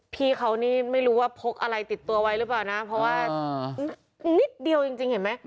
พี่เขานี่ไม่รู้ว่าพกอะไรติดตัวไว้หรือเปล่านะเพราะว่านิดเดียวจริงเห็นไหม